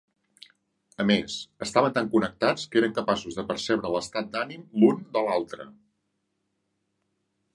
A més, estaven tan connectats que eren capaços de percebre l'estat d'ànim l'un de l'altre.